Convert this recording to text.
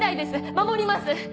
守ります！